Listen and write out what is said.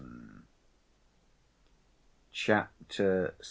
Chapter VI.